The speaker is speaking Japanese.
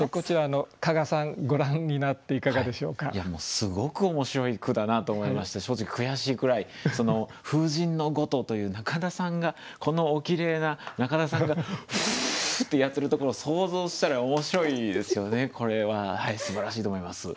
すごく面白い句だなと思いまして正直悔しいくらい「風神のごと」という中田さんがこのおきれいな中田さんが「ふ！」ってやってるところ想像したら面白いですよねこれは。すばらしいと思います。